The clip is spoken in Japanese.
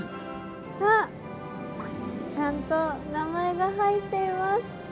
あっ、ちゃんと名前が入っています。